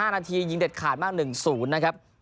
๕นาทียิงเด็ดขาดมาก๑๐นะครับ